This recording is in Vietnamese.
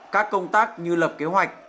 các công tác như lập kế hoạch